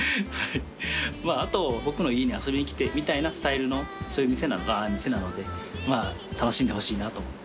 あと僕の家に遊びに来てみたいなスタイルのそういう店なので楽しんでほしいなと思って。